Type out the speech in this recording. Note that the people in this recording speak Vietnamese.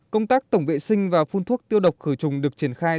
công tác tổng vệ sinh và phun thuốc tiêu độc khử trùng được triển khai